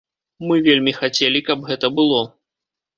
Мы вельмі хацелі, каб гэта было.